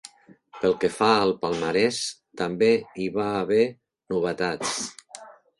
Pel que fa al palmarès, també hi va haver novetats.